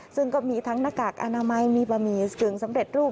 ซึ่งก็มีทั้งหน้ากากอนามัยมีบะหมี่กึ่งสำเร็จรูป